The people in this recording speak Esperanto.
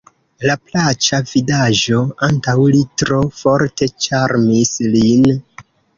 La plaĉa vidaĵo antaŭ li tro forte ĉarmis lin.